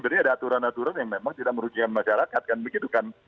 ada aturan aturan yang memang tidak merugikan masyarakat kan begitu kan